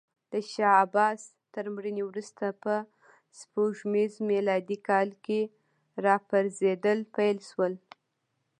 د شاه عباس تر مړینې وروسته په سپوږمیز میلادي کال کې راپرزېدل پیل شول.